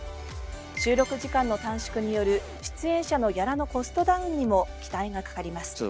収録時間の短縮による出演者のギャラのコストダウンにも期待がかかります。